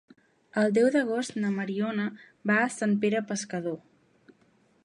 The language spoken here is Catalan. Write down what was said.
El deu d'agost na Mariona va a Sant Pere Pescador.